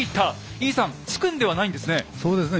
井伊さん突くんではないんですね。